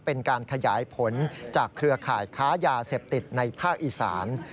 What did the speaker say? เป็นการขยายผลจากเครือข่ายค้ายาเสพติดในภาคอีสาน